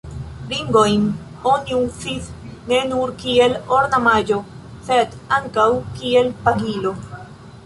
Ringojn oni uzis ne nur kiel ornamaĵo, sed ankaŭ kiel pagilo.